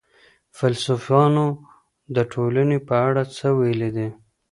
فيلسوفانو د ټولني په اړه څه ويلي دي؟